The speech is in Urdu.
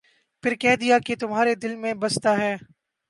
پھر کہہ دیا کہ تمھارے دل میں بستا ہے ۔